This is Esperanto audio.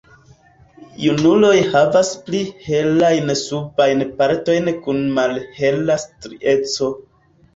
Junuloj havas pli helajn subajn partojn kun malhela strieco.